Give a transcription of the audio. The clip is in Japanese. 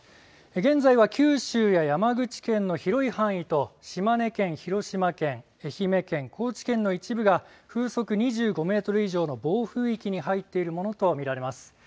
現在は九州や山口県の広い範囲と島根県、広島県、愛媛県、高知県の一部が風速２５メートル以上の暴風域に入っているものとみられます。